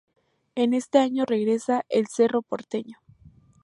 En ese año regresó al Cerro Porteño.